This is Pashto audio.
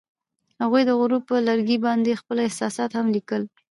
هغوی د غروب پر لرګي باندې خپل احساسات هم لیکل.